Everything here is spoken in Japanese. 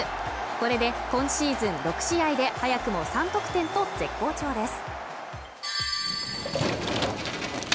これで今シーズン６試合で早くも３得点と絶好調です